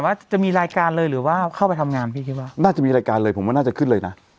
ว่าจะมีรายการเลยหรือว่าเข้าไปทำงานพี่คิดว่าน่าจะมีรายการเลยผมว่าน่าจะขึ้นเลยนะ